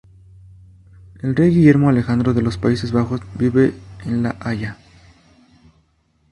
El Rey Guillermo Alejandro de los Países Bajos vive en La Haya.